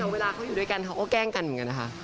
เวลาเขาอยู่ด้วยกันเขาก็แกล้งกันเหมือนกันนะคะ